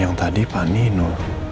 yang tadi pak nino